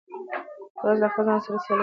یوازې له خپل ځان سره سیالي وکړئ.